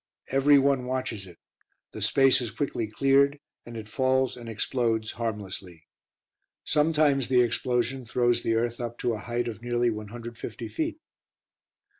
Everyone watches it; the space is quickly cleared, and it falls and explodes harmlessly. Sometimes the explosion throws the earth up to a height of nearly 150 feet.